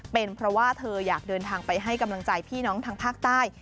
เป็นเพราะว่าเธออยากเดินทางไปให้กำลังใจพี่น้องทางภาคใต้